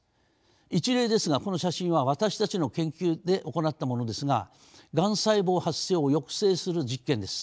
一例ですがこの写真は私たちの研究で行ったものですががん細胞発生を抑制する実験です。